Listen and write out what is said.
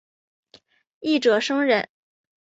一者生忍。